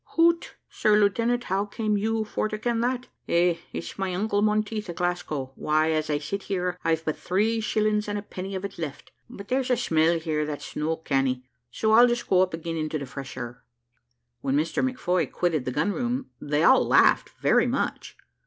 "Hoot; sir lieutenant, how came you for to ken that? Eh; it's my uncle Monteith at Glasgow. Why, as I sit here, I've but three shillings and a penny of it left. But there's a smell here that's no canny; so I'll just go up again into the fresh air." When Mr McFoy quitted the gun room they all laughed very much.